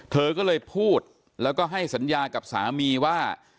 เธอก็เลยพูดแล้วก็ให้สัญญากับสามีว่า